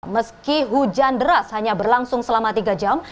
meski hujan deras hanya berlangsung selama tiga jam